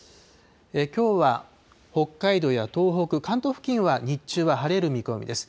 きょうは北海道や東北、関東付近は日中は晴れる見込みです。